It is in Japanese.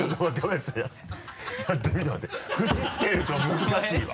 節つけると難しいわ。